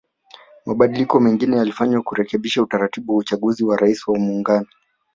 Mabadiliko mengine yalifanywa kurekebisha utaratibu wa uchaguzi wa Rais wa Muungano